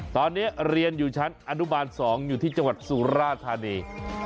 ตอนนี้เรียนอยู่ชั้นอนุบาล๒อยู่ที่จังหวัดสุราธานี